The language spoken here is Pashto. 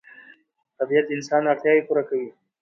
طبیعت د انسان اړتیاوې پوره کوي